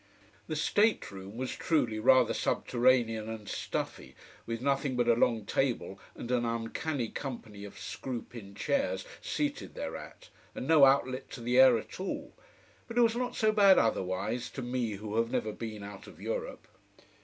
The state room was truly rather subterranean and stuffy, with nothing but a long table and an uncanny company of screw pin chairs seated thereat, and no outlet to the air at all, but it was not so bad otherwise, to me who have never been out of Europe.